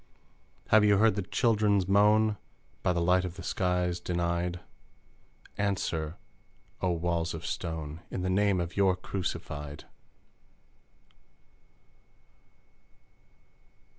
Have you heard the children's moan, By the light of the skies denied? Answer, O Walls of Stone, In the name of your Crucified!